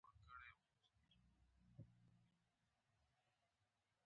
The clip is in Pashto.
موسم د منی راغي شين وطن باندي خړ څادر خور شو